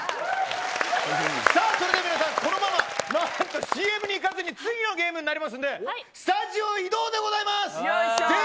それでは皆さんこのままＣＭにいかずに次のゲームになりますのでスタジオ移動でございます。